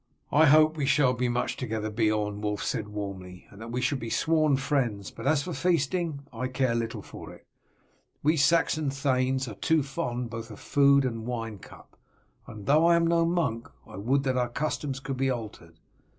"I hope we shall be much together, Beorn," Wulf said warmly, "and that we shall be sworn friends; but as for feasting, I care but little for it. We Saxon thanes are too fond both of food and wine cup, and though I am no monk I would that our customs could be altered.